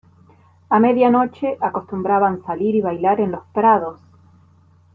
A medianoche, acostumbraban salir y bailar en los prados.